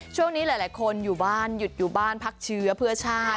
ช่วงนี้หลายคนอยู่บ้านหยุดอยู่บ้านพักเชื้อเพื่อชาติ